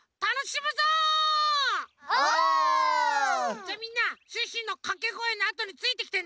じゃあみんなシュッシュのかけごえのあとについてきてね。